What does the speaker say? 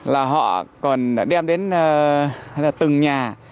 là họ còn đem đến từng nhà